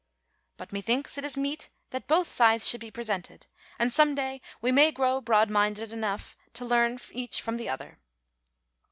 But methinks it is meet that both sides should be presented, and some day we may grow broad minded enough to learn each from the other.